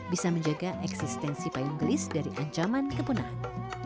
bisa menjaga eksistensi payung gelis dari ancaman kepunahan